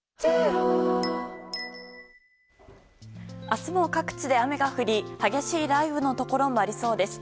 明日も、各地で雨が降り激しい雷雨のところもありそうです。